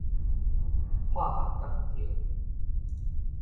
化學工程